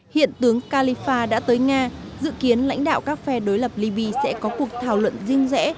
hiện tướng kalifa đã tới nga dự kiến lãnh đạo các phe đối lập libya sẽ có cuộc thảo luận riêng rẽ